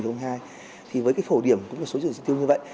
thì với cái phổ điểm của một số chỉ tiêu như vậy